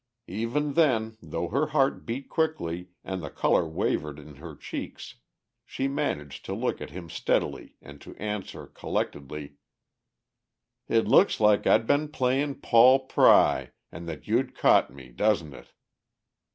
Even then, though her heart beat quickly and the colour wavered in her cheeks, she managed to look at him steadily and to answer collectedly: "It looks like I'd been playing Paul Pry, and that you'd caught me, doesn't it?"